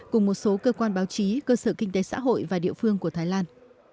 cùng một số cơ quan báo chí cơ sở kinh tế xã hội và địa phương của thái lan